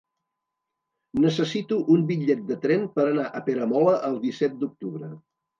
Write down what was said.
Necessito un bitllet de tren per anar a Peramola el disset d'octubre.